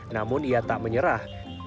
namun ia tak menyerah